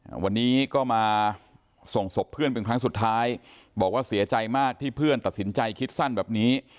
อ่าวันนี้ก็มาส่งศพเพื่อนเป็นครั้งสุดท้ายบอกว่าเสียใจมากที่เพื่อนตัดสินใจคิดสั้นแบบนี้